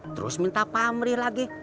terus minta pamrih lagi